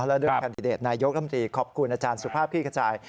แล้วเรื่องแคนดิเดตนายกรรมตรีขอบคุณอาจารย์สุภาพพี่กระจาย